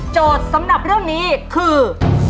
โจทย์สำนับเรื่องนี้คือ